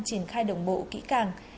triển khai đồng bộ kỹ càng